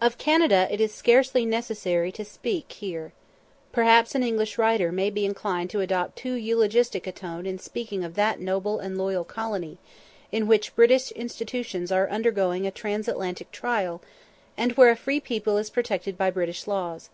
Of Canada it is scarcely necessary to speak here. Perhaps an English writer may be inclined to adopt too eulogistic a tone in speaking of that noble and loyal colony, in which British institutions are undergoing a Transatlantic trial, and where a free people is protected by British laws.